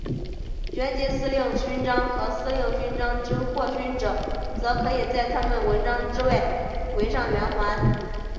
爵级司令勋章和司令勋章之获勋者则只可以在他们的纹章之外围上圆环。